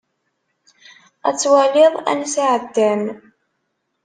Ad twaliḍ ansi εeddan.